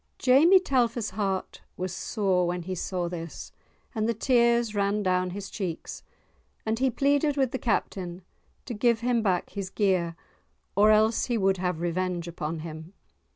Jamie Telfer's[#] heart was sore when he saw this, and the tears ran down his cheeks, and he pleaded with the Captain to give him back his gear, or else he would have revenge upon him.